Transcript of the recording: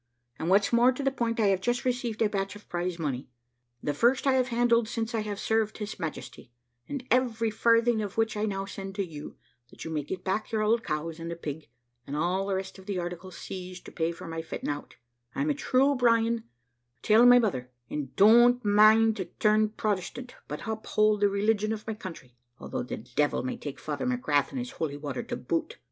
And what's more to the point, I have just received a batch of prize money, the first I have handled since I have served His Majesty, and every farthing of which I now send to you, that you may get back your old cows, and the pig, and all the rest of the articles seized to pay for my fitting out; I'm a true O'Brien, tell my mother, and don't mane to turn Protestant, but uphold the religion of my country; although the devil may take Father McGrath and his holy water to boot.